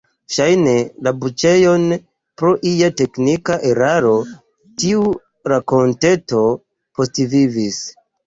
Ŝajne, la buĉejon pro ia teknika eraro tiu rakonteto postvivis.